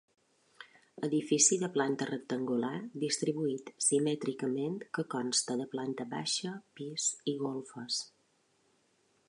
Edifici de planta rectangular distribuït simètricament que consta de planta baixa, pis i golfes.